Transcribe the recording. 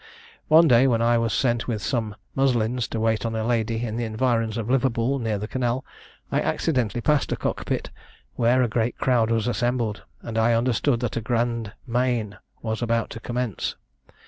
One day, when I was sent with some muslins to wait on a lady in the environs of Liverpool, near the canal, I accidentally passed a cock pit, where a great crowd was assembled; and I understood that a grand main was about to commence.